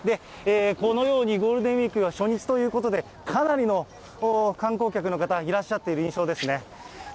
このようにゴールデンウィークの初日ということで、かなりの観光客の方、いらっしゃっている印象ですね。